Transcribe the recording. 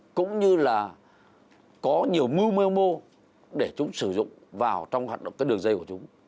cũng như là có nhiều mưu mê mô để chúng sử dụng vào trong hoạt động cái đường dây của chúng